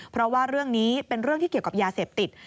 เพราะว่าเรื่องนี้เป็นเรื่องที่เกี่ยวกับยาเสพติด